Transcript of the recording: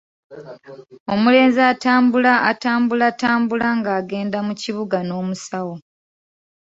Omulenzi atambula atambulatambula ng'agenda mu kibuga n'omusawo.